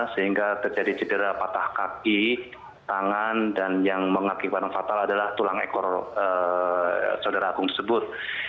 sehingga terjadi cedera patah kaki tangan dan yang mengakibatkan fatal adalah tulang ekor saudara agung sebut